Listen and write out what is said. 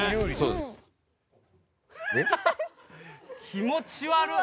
気持ち悪っ！